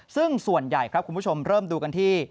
ซึ่งส่วนใหญ่ครับคุณผู้ชมเริ่มดูกันที่